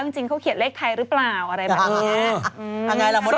จริงเขาเขียนเลขไทยหรือเปล่าอะไรแบบนี้